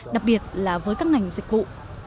đặc biệt là với các ngành dịch vụ